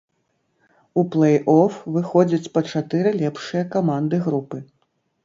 У плей-оф выходзяць па чатыры лепшыя каманды групы.